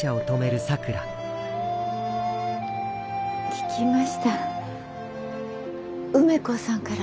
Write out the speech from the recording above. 聞きました梅子さんから。